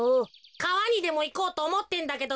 かわにでもいこうとおもってんだけどさ。